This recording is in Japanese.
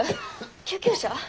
救急車？